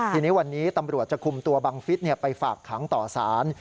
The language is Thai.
ทีนี้วันนี้ตำรวจจะคุมตัวบังฟิศไปฝากขังต่อสาร